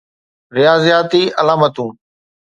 رياضياتي علامتون